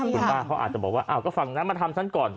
คุณป้าเขาอาจจะบอกว่าอ้าวก็ฝั่งนั้นมาทำฉันก่อน